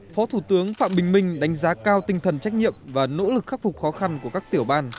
phó thủ tướng phạm bình minh đánh giá cao tinh thần trách nhiệm và nỗ lực khắc phục khó khăn của các tiểu ban